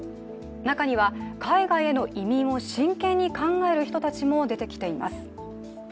中には、海外への移民を真剣に考える人たちも出てきています。